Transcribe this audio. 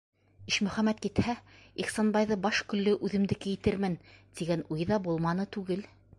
«Ишмөхәмәт китһә, Ихсанбайҙы баш-көллө үҙемдеке итермен» тигән уй ҙа булманы түгел.